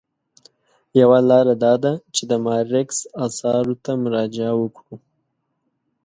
یوه لاره دا ده چې د مارکس اثارو ته مراجعه وکړو.